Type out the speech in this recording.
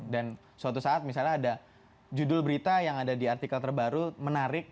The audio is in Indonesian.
dan suatu saat misalnya ada judul berita yang ada di artikel terbaru menarik